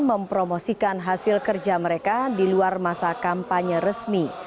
mempromosikan hasil kerja mereka di luar masa kampanye resmi